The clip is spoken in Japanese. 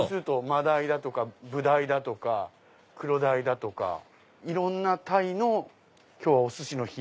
マダイだとかブダイだとかクロダイだとかいろんなタイのおすしの日。